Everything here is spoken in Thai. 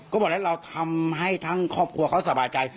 ก็บอกแล้วเราทำให้ทั้งครอบครัวเขาสบายใจ